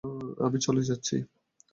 তো আমি চলে যাচ্ছি।